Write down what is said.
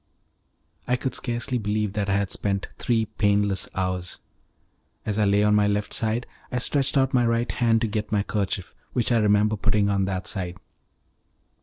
I could scarcely believe that I had spent three painless hours. As I lay on my left side, I stretched out my right hand to get my handkerchief, which I remembered putting on that side.